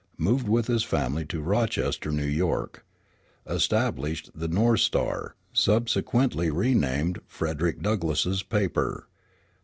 Moved with his family to Rochester, New York. Established the North Star, subsequently renamed Frederick Douglass's Paper.